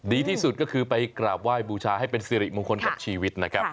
ดีที่สุดก็คือไปกราบไหว้บูชาให้เป็นสิริมงคลกับชีวิตนะครับ